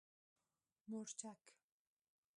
🌶 مورچک